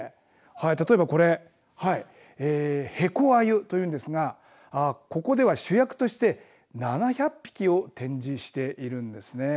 例えばこれヘコアユというんですがここでは主役として７００匹を展示しているんですね。